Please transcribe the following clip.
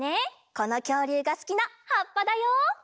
このきょうりゅうがすきなはっぱだよ。